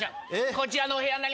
こちらのお部屋に。